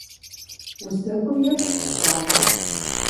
Уздэкӏуэм еплъ, щӏалэ!